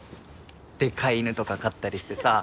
デカい犬とか飼ったりしてさ。